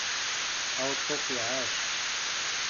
Aweṭṭuf iεac!